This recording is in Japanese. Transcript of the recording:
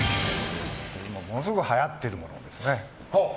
今、ものすごくはやってるものですね。